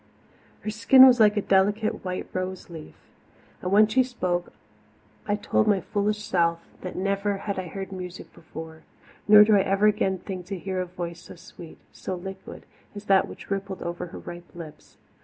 Her skin was like a delicate white rose leaf, and when she spoke I told my foolish self that never had I heard music before; nor do I ever again think to hear a voice so sweet, so liquid, as that which rippled over her ripe lips.